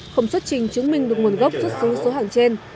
không xuất trình chứng minh được nguồn gốc xuất xứ số hàng trên